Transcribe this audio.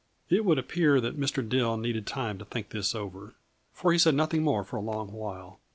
It would appear that Mr. Dill needed time to think this over, for he said nothing more for a long while.